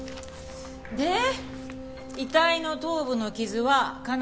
で「遺体の頭部の傷はかなり深かった」。